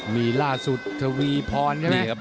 มีล่าสุดทวีพรใช่ไหมครับ